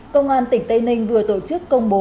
công an tỉnh tây ninh vừa tổ chức công bố